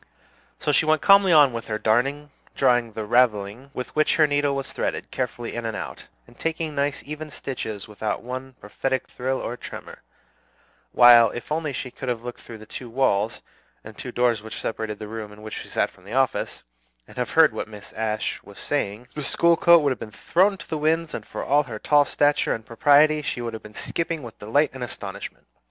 So she went calmly on with her darning, drawing the "ravelling," with which her needle was threaded, carefully in and out, and taking nice even stitches without one prophetic thrill or tremor; while, if only she could have looked through the two walls and two doors which separated the room in which she sat from the office, and have heard what Mrs. Ashe was saying, the school coat would have been thrown to the winds, and for all her tall stature and propriety, she would have been skipping with delight and astonishment.